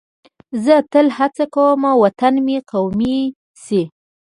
زه تل هڅه کوم وطن مې قوي شي.